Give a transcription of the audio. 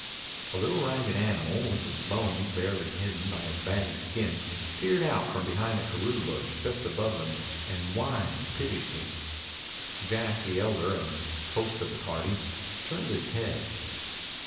A little ragged animal, with his bones barely hidden by his baggy skin, peered out from behind a karoo bush just above them, and whined piteously. Jack, the elder, and host of the party, turned his head.